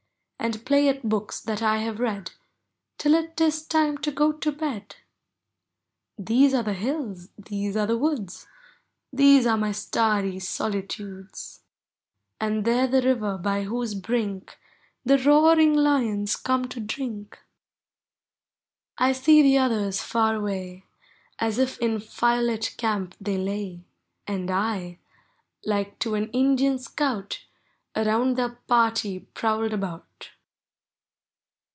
And play at books that I have read Till it is time to go to bed. These are the hills, these are the woods, These are my starry solitudes ; And there the river by whose brink The roaring lions come to drink. I see the others far away As if in tirelit camp they lay. And I, like to an Indian scout. Around their party prowled about.